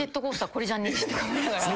これじゃねえしって思いながら。